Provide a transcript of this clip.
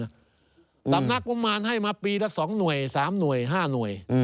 สำนักงบมารให้มาปีละ๒หน่วย๓หน่วย๕หน่วย